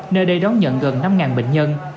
nơi đây đón nhận gần năm bệnh nhân